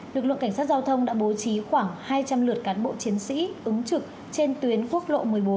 lực lượng cảnh sát giao thông đã bố trí khoảng hai trăm linh lượt cán bộ chiến sĩ ứng trực trên tuyến quốc lộ một mươi bốn